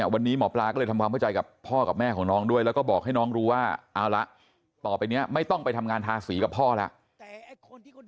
วันนี้หมอปลาก็เลยทำความเข้าใจกับพ่อกับแม่ของน้องด้วยแล้วก็บอกให้น้องรู้ว่าเอาละต่อไปนี้ไม่ต้องไปทำงานทาสีกับพ่อแล้ว